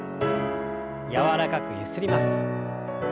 柔らかくゆすります。